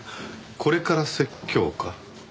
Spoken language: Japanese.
これから説教か？